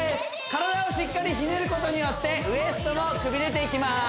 体をしっかりひねることによってウエストもくびれていきます